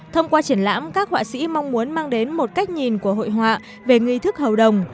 thông qua triển lãm các họa sĩ mong muốn mang đến một cách nhìn của hội họa về nghi thức hầu đồng